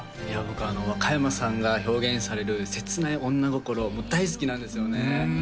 僕あの若山さんが表現される切ない女心大好きなんですよね